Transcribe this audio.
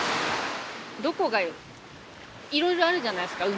どこがいろいろあるじゃないですか海。